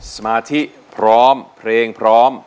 สมาธิพร้อมเพลงพร้อม